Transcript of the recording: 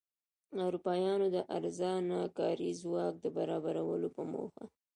اروپایانو د ارزانه کاري ځواک د برابرولو په موخه.